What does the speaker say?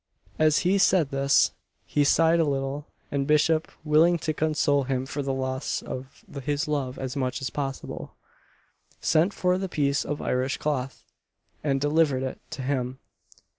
As he said this, he sighed a little; and Bishop willing to console him for the loss of his love as much as possible sent for the piece of Irish cloth and delivered it to him.